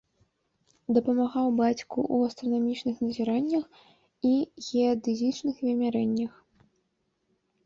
Дапамагаў бацьку ў астранамічных назіраннях і геадэзічных вымярэннях.